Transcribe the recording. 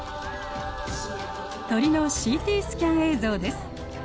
鳥のＣＴスキャン映像です。